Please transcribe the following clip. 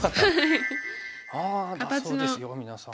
あだそうですよ皆さん。